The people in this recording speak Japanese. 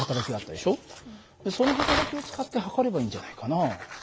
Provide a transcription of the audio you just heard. そのはたらきを使って測ればいいんじゃないかな。